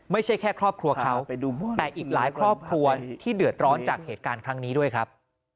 ไม่ใช่แค่ครอบครัวเขาแต่อีกหลายครอบครัวที่เดือดร้อนจากเหตุการณ์ครั้งนี้ด้วยครับ